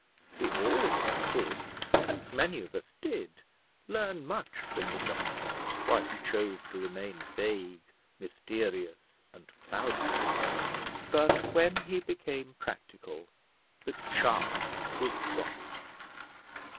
We all of us could, and many of us did, learn much from the doctor while he chose to remain vague, mysterious, and cloudy: but when he became practical, the charm was gone.